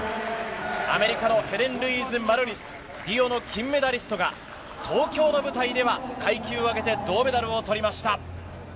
アメリカのヘレンルイーズ・マルーリス、リオの金メダリストが東京の舞台では階級を上げて銅メダルを取りました。